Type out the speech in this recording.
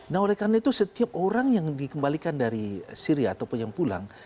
nah oleh karena itu setiap orang yang dikembalikan dari syria ataupun yang pulang